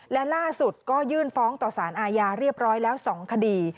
และล่าสุดก็ยื่นฟ้องต่อสารอาญาเรียบร้อยแล้ว๒คดี